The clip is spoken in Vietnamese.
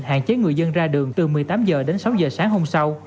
hạn chế người dân ra đường từ một mươi tám h đến sáu h sáng hôm sau